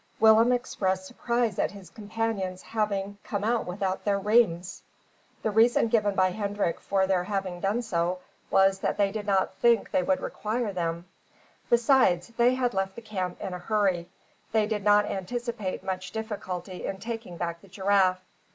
Willem expressed surprise at his companions having come out without their rheims. The reason given by Hendrik for their having done so was that they did not think they would require them; besides, they had left the camp in a hurry. They did not anticipate much difficulty in taking back the giraffe.